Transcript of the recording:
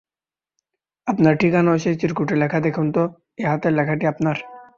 আপনার ঠিকানাও সেই চিরকুটে লেখা দেখুন তো এই হাতের লেখাটি আপনার?